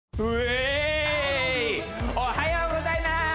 おはようございます！